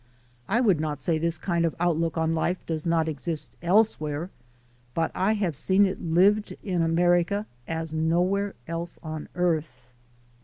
I would not say this kind of outlook on life does not exist else where, but I have seen it lived in America as nowhere else on earth.